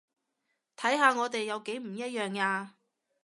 睇下我哋有幾唔一樣呀